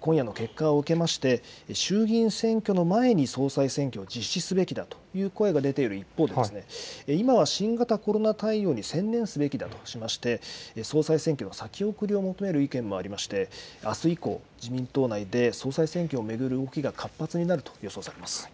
今夜の結果を受けまして衆議院選挙の前に総裁選挙を実施すべきだという声が出ている一方で今は新型コロナ対応に専念すべきだとしまして総裁選挙の先送りを求める意見もありましてあす以降自民党内で総裁選挙を巡る動きが活発になると予想されます。